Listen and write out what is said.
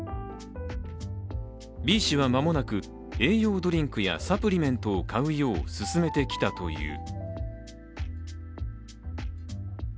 Ｂ氏は間もなく、栄養ドリンクやサプリメントを買うよう勧めてきたという。